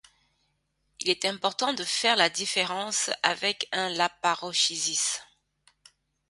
Il est important de faire la différence avec un laparoschisis.